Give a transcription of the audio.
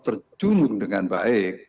terjunjung dengan baik